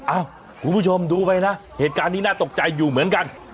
คุณผู้ชมดูไปนะเหตุการณ์นี้น่าตกใจอยู่เหมือนกัน